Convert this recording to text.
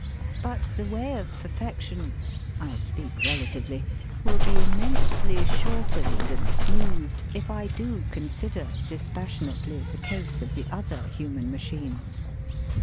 But the way of perfection (I speak relatively) will be immensely shortened and smoothed if I do consider, dispassionately, the case of the other human machines.